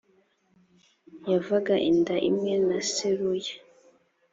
yavaga inda imwe na seruya